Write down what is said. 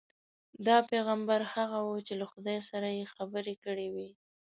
دا پیغمبر هغه وو چې له خدای سره یې خبرې کړې وې.